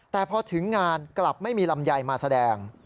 แต่พอถึงงานกลับไม่มีลำไยมาแสดง